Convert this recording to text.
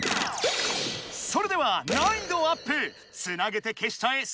それでは難易度アップ「つなげて消しちゃえ！